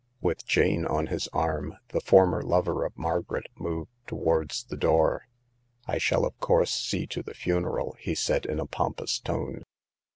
With Jane on his arm, the former lover of Margaret moved towards the door. " I shall of course see to the funeral," he said in a pompous tone.